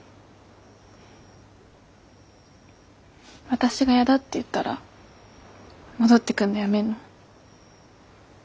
私がやだって言ったら戻ってくんのやめんの？